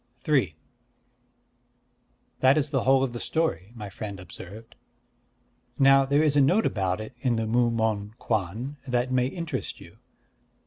III "That is the whole of the story," my friend observed. "Now there is a note about it in the Mu Mon Kwan that may interest you.